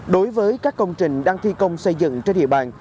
đối với các công trình đang thi công xây dựng trên địa bàn